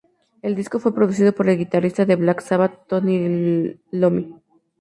El disco fue producido por el guitarrista de Black Sabbath, Tony Iommi.